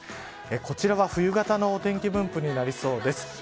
こちらは冬型のお天気分布になりそうです。